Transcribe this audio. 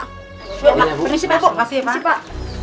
terima kasih pak